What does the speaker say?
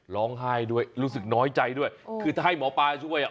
ร้องไห้ด้วยรู้สึกน้อยใจด้วยคือถ้าให้หมอปลาช่วยอ่ะ